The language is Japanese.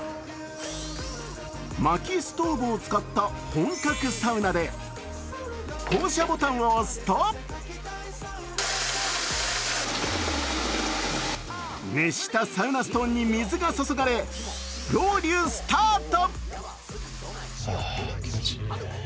まきストーブを使った本格サウナで降車ボタンを押すと熱したサウナストーンに水が注がれロウリュスタート。